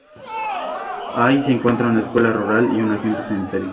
Ahí se encuentra una escuela rural y un agente sanitario.